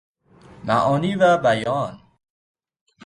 معانی و بیان